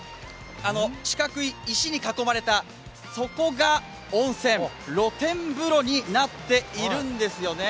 四角い石に囲まれた、そこが温泉、露天風呂になっているんですよね。